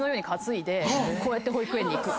こうやって保育園に行く。